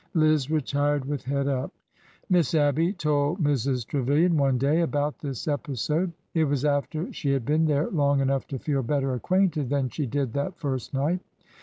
Liz retired with head up. Miss Abby told Mrs. Trevilian one day about this epi sode. It was after she had been there long enough to feel better acquainted than she did that first night.